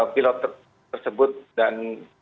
pilot tersebut dan